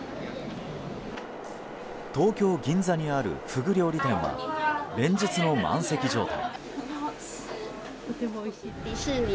東京・銀座にあるフグ料理店は連日の満席状態。